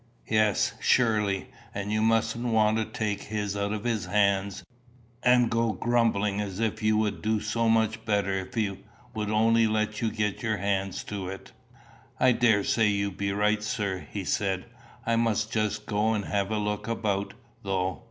"Yes, surely. And you mustn't want to take his out of his hands, and go grumbling as if you would do it so much better if he would only let you get your hand to it." "I daresay you be right, sir," he said. "I must just go and have a look about, though.